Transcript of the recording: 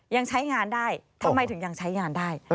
ยังใช้งานได้ทำไมถึงยังใช้งานได้